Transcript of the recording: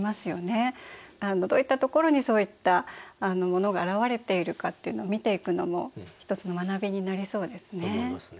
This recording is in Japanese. どういったところにそういったものが表れているかというのを見ていくのも一つの学びになりそうですね。